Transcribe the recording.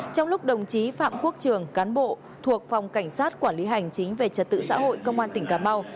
trong lúc đồng chí phạm quốc trường cán bộ thuộc phòng cảnh sát quản lý hành chính về trật tự xã hội công an tỉnh cà mau